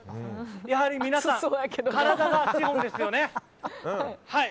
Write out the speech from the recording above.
やはり皆さん、体が暑いですよね。